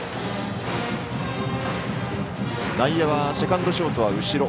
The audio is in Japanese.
内野はセカンド、ショートは後ろ。